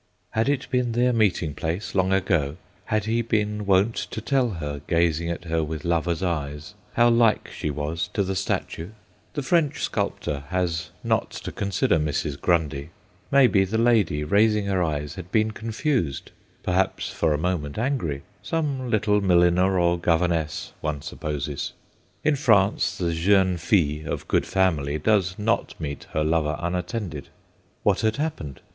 Had it been their meeting place long ago? Had he been wont to tell her, gazing at her with lover's eyes, how like she was to the statue? The French sculptor has not to consider Mrs. Grundy. Maybe, the lady, raising her eyes, had been confused; perhaps for a moment angry—some little milliner or governess, one supposes. In France the jeune fille of good family does not meet her lover unattended. What had happened?